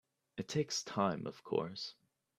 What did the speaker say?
It takes time of course.